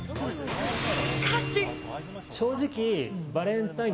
しかし。